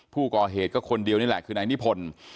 ผู้ก่อเหตุก็คนเดียวนี่แหละคือนายนิพนธ์